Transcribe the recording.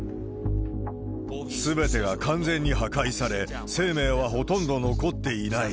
すべてが完全に破壊され、生命はほとんど残っていない。